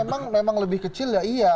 memang lebih kecil ya iya